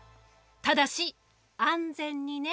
ただし安全にね。